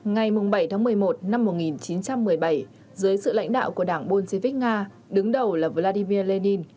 ngày bảy tháng một mươi một năm một nghìn chín trăm một mươi bảy dưới sự lãnh đạo của đảng bolshvic nga đứng đầu là vladimir lenin